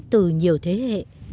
từ nhiều thế hệ